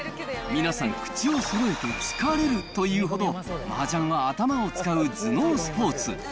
皆さん、口をそろえて疲れるというほど、マージャンは頭を使う頭脳スポーツ。